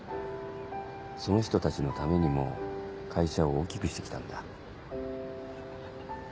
その人たちのためにも会社を大きくして来たんだ。